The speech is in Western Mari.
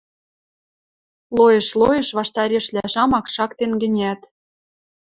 Лоэш-лоэш ваштарешлӓ шамак шактен гӹнят